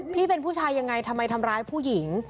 พี่เป็นผู้ชายยังไงทำไมทำร้ายผู้หญิง